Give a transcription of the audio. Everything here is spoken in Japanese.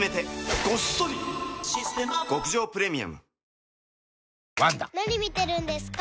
極上プレミアム・何見てるんですか？